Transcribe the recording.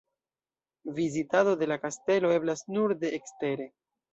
Vizitado de la kastelo eblas nur de ekstere.